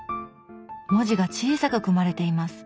文字が小さく組まれています。